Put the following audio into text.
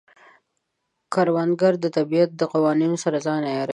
کروندګر د طبیعت د قوانینو سره ځان عیاروي